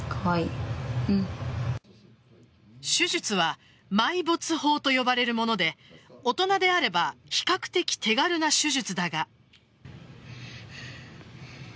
手術は埋没法と呼ばれるもので大人であれば比較的手軽な手術だが。